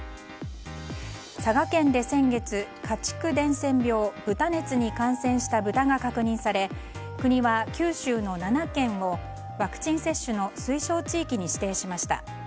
佐賀県で先月、家畜伝染病豚熱に感染した豚が確認され、国は九州の７県をワクチン接種の推奨値域に指定しました。